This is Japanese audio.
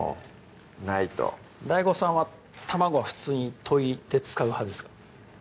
ないとＤＡＩＧＯさんは卵は普通に溶いて使う派ですか？